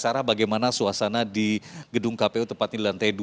sarah bagaimana suasana di gedung kpu tepatnya di lantai dua